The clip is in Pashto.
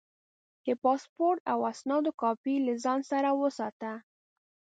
د پاسپورټ او اسنادو کاپي له ځان سره وساته.